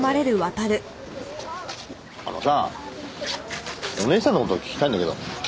あのさお姉さんの事聞きたいんだけど。